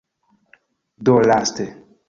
Do laste